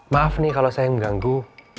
maaf nih kalau saya mengganggu